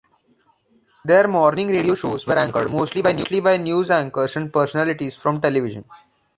Their morning radio shows were anchored mostly by news anchors and personalities from television.